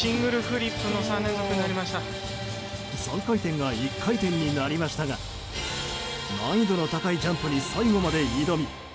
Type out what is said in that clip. ３回転が１回転になりましたが難易度の高いジャンプに最後まで挑み